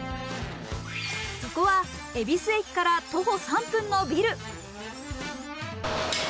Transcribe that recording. そこは恵比寿駅から徒歩３分のビル。